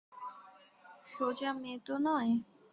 সোজা মেয়ে তো নয়।